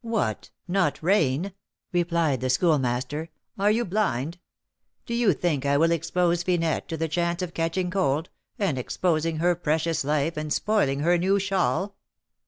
"What! not rain!" replied the Schoolmaster; "are you blind? Do you think I will expose Finette to the chance of catching cold, and exposing her precious life, and spoiling her new shawl?"